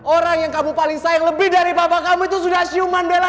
orang yang kamu paling sayang lebih dari bapak kamu itu sudah siuman bela